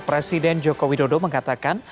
presiden jokowi dodo mengatakan